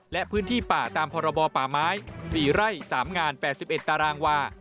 และพื้นที่ป่าตามพบป่าไม้๔ไร่๓ง๘๑ตว